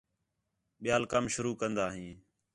ٻِیال کم شروع کندا ہیں